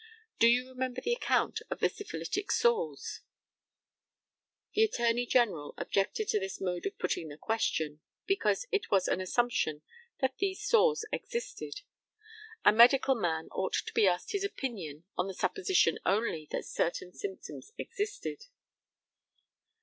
Do you remember the account of the syphilitic sores? The ATTORNEY GENERAL objected to this mode of putting the question, because it was an assumption that these sores existed. A medical man ought to be asked his opinion on the supposition only that certain symptoms existed.